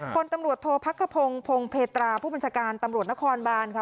คนตำรวจโทษพักขพงศ์พงเพตราผู้บัญชาการตำรวจนครบานค่ะ